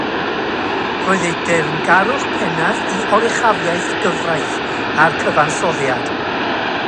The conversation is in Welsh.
Roedd ei deyrngarwch pennaf i oruchafiaeth y gyfraith a'r cyfansoddiad.